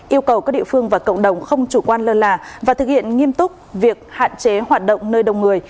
yêu cầu các địa phương và cộng đồng không chủ quan lơ là và thực hiện nghiêm túc việc hạn chế hoạt động nơi đông người